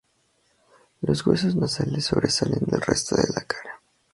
Los huesos nasales sobresalen del resto de la cara.